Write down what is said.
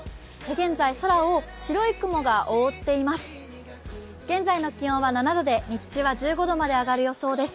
現在、空を白い雲が覆っています。